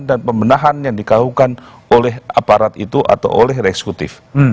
dan pemerintahan yang dikawal oleh aparat itu atau oleh re executive